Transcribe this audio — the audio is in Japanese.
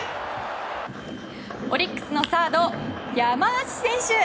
オリックスのサード山足選手。